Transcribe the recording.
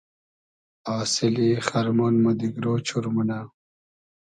آسیلی خئرمۉن مۉ دیگرۉ چور مونۂ